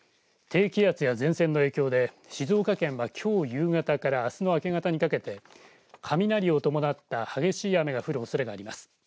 低気圧や前線の影響で静岡県はきょう夕方からあすの明け方にかけて雷を伴った激しい雨が降るおそれがあります。